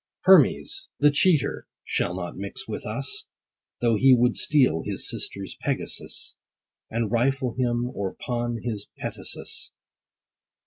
Hermes, the cheater, shall not mix with us, Though he would steal his sisters' Pegasus, And rifle him : or pawn his petasus.